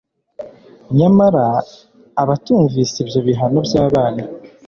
nyamara abatumvise ibyo bihano by'abana